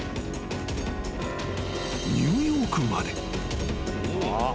［ニューヨークまで］